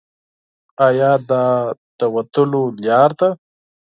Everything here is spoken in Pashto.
ایا دا د وتلو لار ده؟